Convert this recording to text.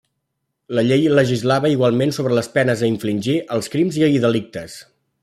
La llei legislava igualment sobre les penes a infligir als crims i delictes.